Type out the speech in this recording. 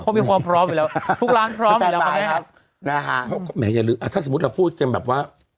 พุกร้านพร้อมอยู่แล้วประเทศนะฮะแหมอย่าลืมอ่ะถ้าสมมติเราพูดเป็นแบบว่า